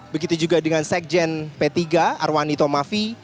begitu juga dengan sekjen p tiga arwani tomafi